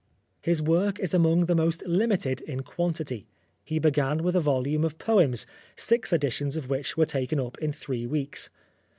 His work is among the most limited in quantity. He began with a volume of poems, six editions of which were taken up in three weeks.